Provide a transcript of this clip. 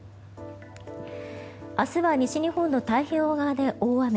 明日は西日本の太平洋側で大雨。